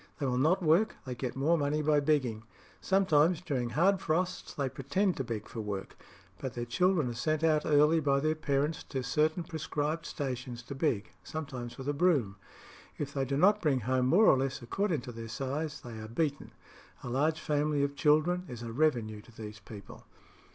They will not work; they get more money by begging. Sometimes during hard frosts they pretend to beg for work; but their children are sent out early by their parents to certain prescribed stations to beg, sometimes with a broom. If they do not bring home more or less according to their size, they are beaten. A large family of children is a revenue to these people."